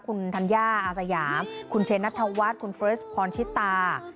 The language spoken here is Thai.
คุณธัญญาอาสยามคุณเชนนัทธวัฒน์คุณเฟรสพชิตา